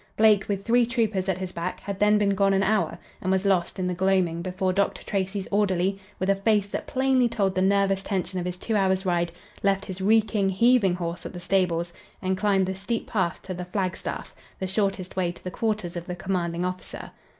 Blake, with three troopers at his back, had then been gone an hour, and was lost in the gloaming before Dr. Tracy's orderly, with a face that plainly told the nervous tension of his two hours' ride, left his reeking, heaving horse at the stables and climbed the steep path to the flagstaff, the shortest way to the quarters of the commanding officer.